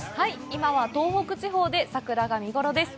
今は東北地方で桜が見ごろです。